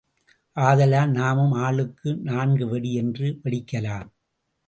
ஆதலால் நாமும் ஆளுக்கு நான்கு வெடி என்று வெடிக்கலாம்.